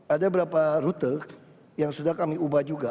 ada berapa rute yang sudah kami ubah juga